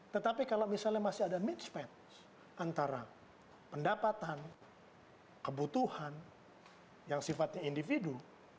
tetapi kalau misalnya masih ada mitchmat antara pendapatan kebutuhan yang sifatnya individu